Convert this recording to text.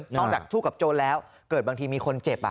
จากชู้กับโจรแล้วเกิดบางทีมีคนเจ็บ